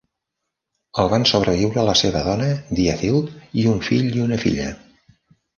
El van sobreviure la seva dona, Diethild, i un fill i una filla.